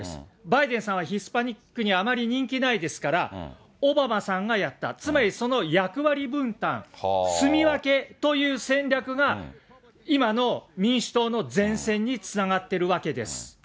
バイデンさんはヒスパニックにあまり人気ないですから、オバマさんがやった、つまりその役割分担、住み分けという戦略が、今の民主党の善戦につながっているわけです。